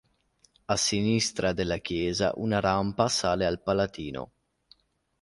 A sinistra della chiesa una rampa sale al Palatino.